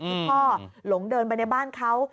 ที่พ่อหลงเดินไปในบ้านเขา